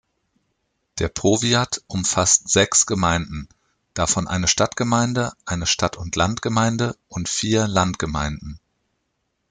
Der Powiat umfasst sechs Gemeinden, davon eine Stadtgemeinde, eine Stadt-und-Land-Gemeinde und vier Landgemeinden.